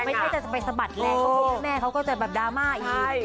ไม่ใช่จะไปสะบัดแรงตรงนี้แม่เขาก็จะแบบดราม่าอีก